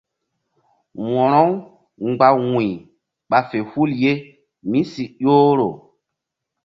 Wo̧ro-u mgba wu̧y ɓa fe hul ye mí si ƴohro.